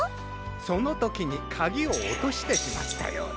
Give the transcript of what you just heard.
そのときにかぎをおとしてしまったようだ。